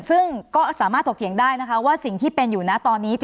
ซึ่งก็สามารถถกเถียงได้นะคะว่าสิ่งที่เป็นอยู่นะตอนนี้